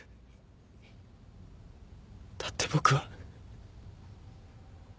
だって僕は。